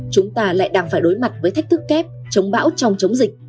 chúng ta lại đang phải đối mặt với thách thức kép chống bão trong chống dịch